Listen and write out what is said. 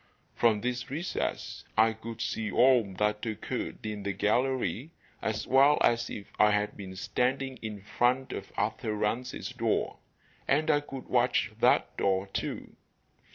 From this recess I could see all that occurred in the gallery as well as if I had been standing in front of Arthur Rance's door, and I could watch that door, too.